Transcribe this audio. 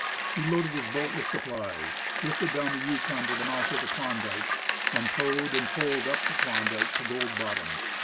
He loaded his boat with supplies, drifted down the Yukon to the mouth of the Klondike, and towed and poled up the Klondike to Gold Bottom.